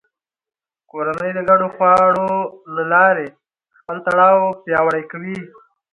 کورنۍ د ګډو خواړو له لارې خپل تړاو پیاوړی کوي